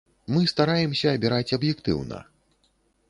Мы стараемся абіраць аб'ектыўна.